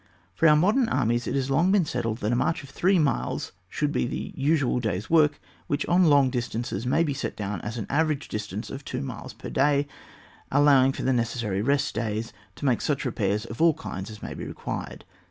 For our modem armies it has long been settled that a march of three miles should be the usual day's work which, on long distances, may be set down as an average distance of two miles per day, allowing for the necessary rest days, to make such repairs of all kinds as may be required.